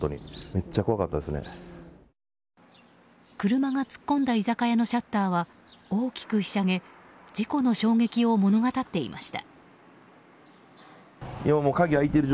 車が突っ込んだ居酒屋のシャッターは大きくひしゃげ事故の衝撃を物語っていました。